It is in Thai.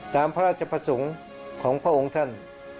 ตามพระราชประสงค์ของพระองค์ท่าน